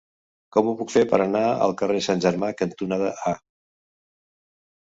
Com ho puc fer per anar al carrer Sant Germà cantonada A?